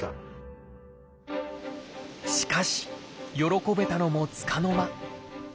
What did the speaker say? しかし喜べたのもつかの間。